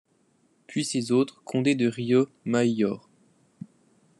Puis ces autres: Conde de Rio Maïor.